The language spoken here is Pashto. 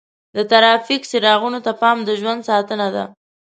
د ټرافیک څراغونو ته پام د ژوند ساتنه ده.